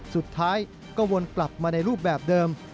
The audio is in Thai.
สุดท้ายก็วนกลับมาในรูปแบบเดิม